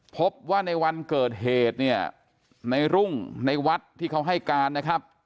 พบว่าในวันเกิดเหตุเนี่ยในรุ่งในวัดที่เขาให้การนะครับ